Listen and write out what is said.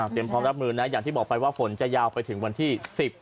พร้อมรับมือนะอย่างที่บอกไปว่าฝนจะยาวไปถึงวันที่๑๐